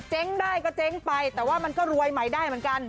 ได้ก็เจ๊งไปแต่ว่ามันก็รวยใหม่ได้เหมือนกัน